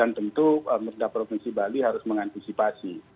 dan tentu pemerintah provinsi bali harus mengantisipasi